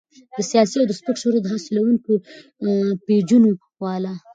د سياسي او د سپک شهرت حاصلونکو پېجونو والا